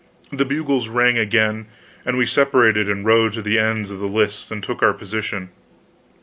The bugles rang again; and we separated and rode to the ends of the lists, and took position.